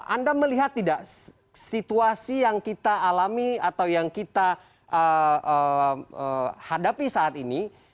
anda melihat tidak situasi yang kita alami atau yang kita hadapi saat ini